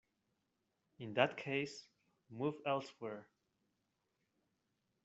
In that case, move elsewhere.